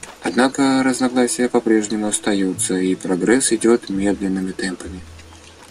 Однако разногласия по-прежнему остаются, и прогресс идет медленными темпами.